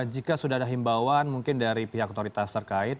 jika sudah ada himbauan mungkin dari pihak otoritas terkait